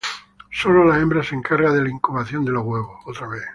Solo la hembra se encarga de la incubación de los huevos.